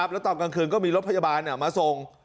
แล้วตอนกลางคืนก็มีรถพยาบาลมาส่ง